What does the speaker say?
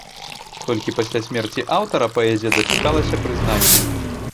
Толькі пасля смерці аўтара паэзія дачакалася прызнання.